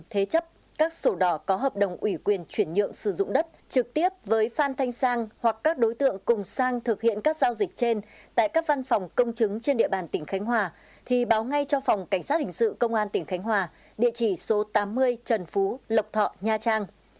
thế chấp các sổ đỏ có hợp đồng ủy quyền chuyển nhượng sử dụng đất trực tiếp với phan thanh sang hoặc các đối tượng cùng sang thực hiện các giao dịch trên tại các văn phòng công chứng trên địa bàn tỉnh khánh hòa thì báo ngay cho phòng cảnh sát hình sự công an tỉnh khánh hòa địa chỉ số tám mươi trần phú lộc thọ nha trang